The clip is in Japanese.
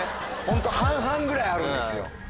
ホント半々ぐらいあるんですよ。